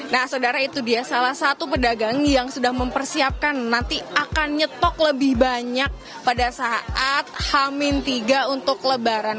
nah saudara itu dia salah satu pedagang yang sudah mempersiapkan nanti akan nyetok lebih banyak pada saat hamin tiga untuk lebaran